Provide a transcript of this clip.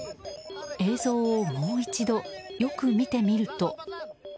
映像をもう一度よく見てみると。